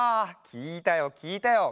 きいたよきいたよ。